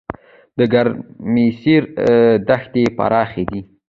د ګرمسیر دښتې پراخې دي